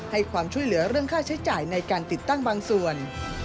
ความช่วยเหลือเรื่องค่าใช้จ่ายในการติดตั้งบางส่วน